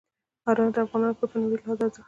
انار د افغانانو لپاره په معنوي لحاظ ارزښت لري.